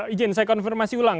ijin saya konfirmasi ulang